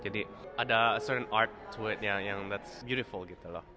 jadi ada art yang beautiful gitu loh